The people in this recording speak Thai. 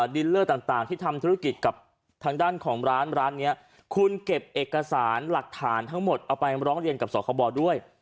ดินเลอร์ต่างที่ทำธุรกิจกับทางด้านของร้านร้านนี้คุณเก็บเอกสารหลักฐานทั้งหมดเอาไปร้องเรียนกับสคบด้วย